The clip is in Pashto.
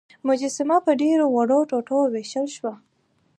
مجسمه په ډیرو وړو ټوټو ویشل شوه.